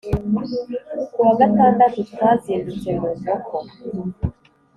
Ku wa Gatandatu, twazindutse mu nkoko